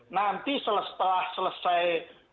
nanti setelah selesai